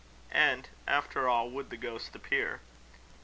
And, after all, would the ghost appear?